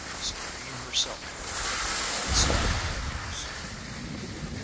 Supreme herself had stung Deltos.